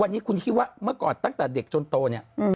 วันนี้คุณคิดว่าเมื่อก่อนตั้งแต่เด็กจนโตเนี่ย